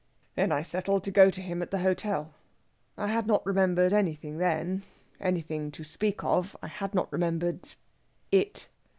Then I settled to go to him at the hotel. I had not remembered anything then anything to speak of I had not remembered IT.